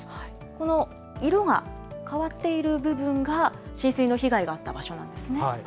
この色が変わっている部分が浸水の被害があった場所なんですね。